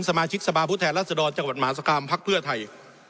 สมาชิกสภาพผู้แทนรัศดรจังหวัดมหาสกรรมพักเพื่อไทย